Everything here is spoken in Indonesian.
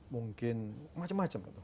mungkin macam macam gitu